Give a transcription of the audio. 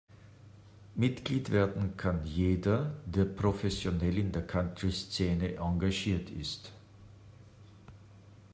Mitglied werden kann jeder, der professionell in der Country-Szene engagiert ist.